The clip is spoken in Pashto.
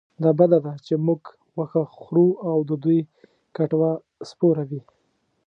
دا بده ده چې موږ غوښه خورو او د دوی کټوه سپوره وي.